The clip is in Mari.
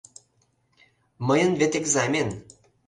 Мыйын вет экзамен.